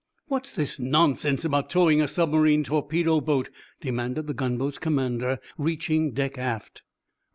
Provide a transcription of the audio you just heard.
"What's this nonsense about towing a submarine torpedo boat?" demanded the gunboat's commander, reaching deck aft.